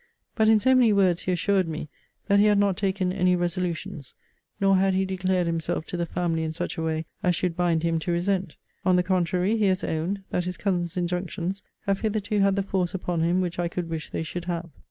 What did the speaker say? But, in so many words, he assured me, that he had not taken any resolutions; nor had he declared himself to the family in such a way as should bind him to resent: on the contrary, he has owned, that his cousin's injunctions have hitherto had the force upon him which I could wish they should have.